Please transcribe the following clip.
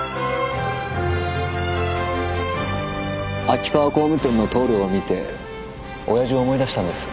秋川工務店の棟梁を見ておやじを思い出したんです。